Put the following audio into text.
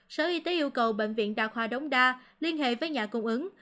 sở y tế yêu cầu bệnh viện đà khoa đống đa liên hệ với nhà cung ứng